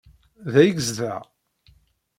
Da ay yezdeɣ?